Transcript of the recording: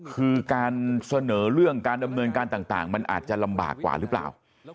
คือการเสนอเรื่องการดำเนินการต่างมันอาจจะลำบากกว่าหรือเปล่า